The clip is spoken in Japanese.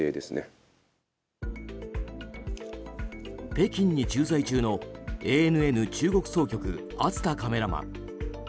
北京に駐在中のＡＮＮ中国総局熱田カメラマン。